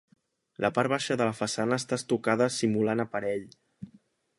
La part baixa de la façana està estucada simulant aparell.